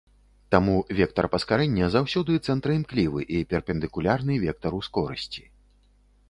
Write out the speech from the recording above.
Таму вектар паскарэння заўсёды цэнтраімклівы і перпендыкулярны вектару скорасці.